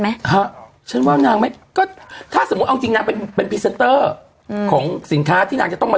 ไหมฮะฉันว่านางไม่ก็ถ้าสมมุติเอาจริงนางเป็นเป็นพรีเซนเตอร์อืมของสินค้าที่นางจะต้องมา